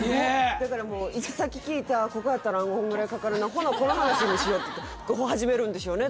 だからもう行き先聞いてここやったら５分ぐらいかかるなこの話にしようっていって始めるんでしょうね